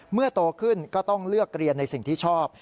โตขึ้นก็ต้องเลือกเรียนในสิ่งที่ชอบ